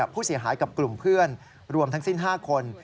ผู้เสียหายกับกลุ่มเพื่อนรวมทั้งสิ้น๕คน